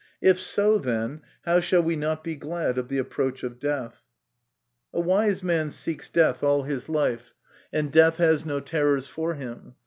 If so, then, how shall we not be glad of the approach of death ? A wise man seeks death all his life, and death has no terrors for him.